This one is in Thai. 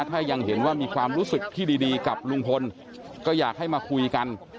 ถ้ายังเห็นว่ามีความรู้สึกที่ดีกับลุงพลก็อยากให้มาคุยกัน